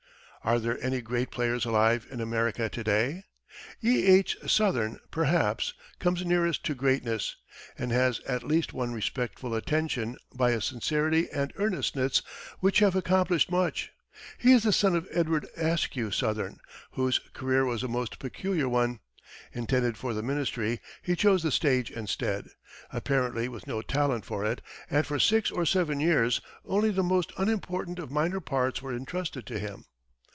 Are there any great players alive in America to day? E. H. Sothern, perhaps, comes nearest to greatness, and has at least won respectful attention by a sincerity and earnestness which have accomplished much. He is the son of Edward Askew Sothern, whose career was a most peculiar one. Intended for the ministry, he chose the stage instead, apparently with no talent for it, and for six or seven years, only the most unimportant of minor parts were entrusted to him.